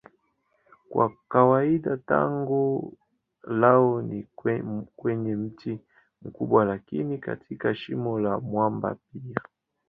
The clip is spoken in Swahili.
Kwa kawaida tago lao ni kwenye mti mkubwa lakini katika shimo la mwamba pia.